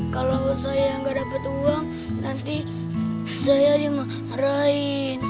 kalau saya gak dapet uang nanti saya dimarahin